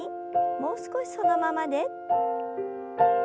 もう少しそのままで。